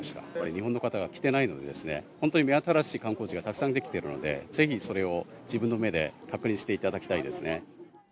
日本の方が来てないので、本当に目新しい観光地がたくさん出来ているので、ぜひそれを、自分の目で確認していただきたいですね。